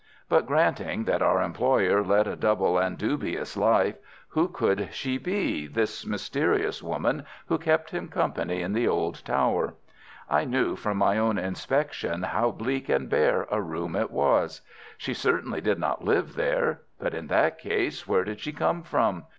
But granting that our employer led a double and dubious life, who could she be, this mysterious woman who kept him company in the old tower? I knew from my own inspection how bleak and bare a room it was. She certainly did not live there. But in that case where did she come from?